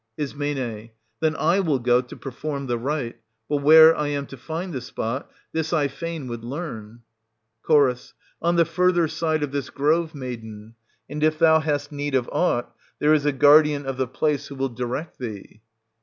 Is. Then I will go to perform the rite ; but where I am to find the spot — this I fain would learn. Ch. On the further side of this grove, maiden. And if thou hast need of aught, there is a guardian of the place, who will direct thee.